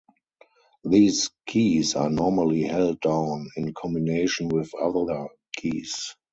These keys are normally held down in combination with other keys.